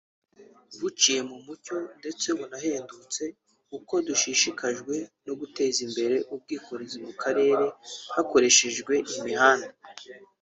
buciye mu mucyo ndetse bunahendutse […] Uko dushishikajwe no guteza imbere ubwikorezi mu karere hakoreshejwe imihanda